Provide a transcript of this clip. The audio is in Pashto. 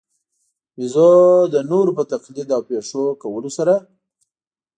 بېزو د نورو په تقلید او پېښو کولو سره.